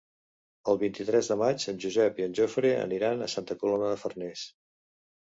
El vint-i-tres de maig en Josep i en Jofre aniran a Santa Coloma de Farners.